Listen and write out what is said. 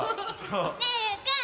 ねえゆうくん！